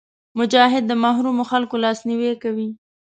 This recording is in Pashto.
مجاهد د محرومو خلکو لاسنیوی کوي.